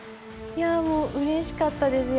いやもううれしかったです